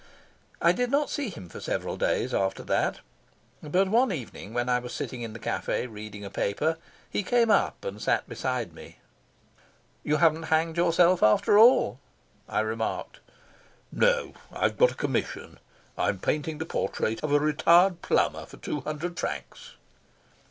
I did not see him for several days after that, but one evening, when I was sitting in the cafe, reading a paper, he came up and sat beside me. "You haven't hanged yourself after all," I remarked. "No. I've got a commission. I'm painting the portrait of a retired plumber for two hundred francs."